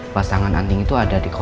pasangan anting itu ada di kota